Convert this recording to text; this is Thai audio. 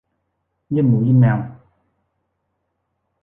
ยื่นหมูยื่นแมว